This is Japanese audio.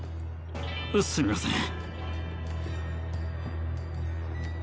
すみません。